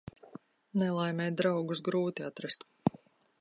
Nelaimē draugus grūti atrast.